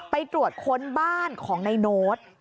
ไปตรวจค้นบ้านของนายโน้ต